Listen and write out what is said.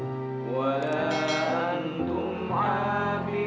kayak beres apa nyugudin sendiri